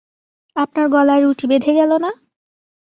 আপনার গলায় রুটি বেধে গেল না?